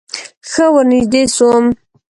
ښه ورنژدې سوم.